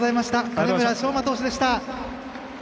金村尚真投手でした。